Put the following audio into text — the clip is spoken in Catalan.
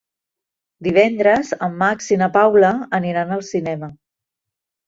Divendres en Max i na Paula aniran al cinema.